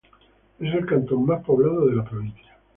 Es el cantón más poblado de la provincia.